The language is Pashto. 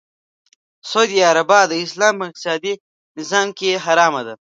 سود یا ربا د اسلام په اقتصادې نظام کې حرامه ده .